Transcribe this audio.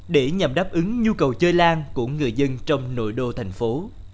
để nhằm đáp ứng nhu cầu chơi lan của người dân trong nội đô thành phố